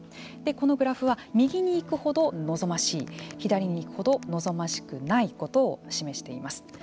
このグラフは右に行くほど望ましい左に行くほど望ましくないことを示しています。